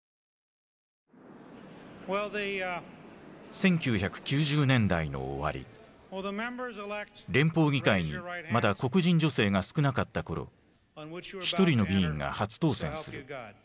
１９９０年代の終わり連邦議会にまだ黒人女性が少なかった頃一人の議員が初当選する。